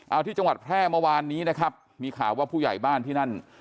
เอาที่จังหวัดแพร่เมื่อวานนี้นะครับมีข่าวว่าผู้ใหญ่บ้านที่นั่น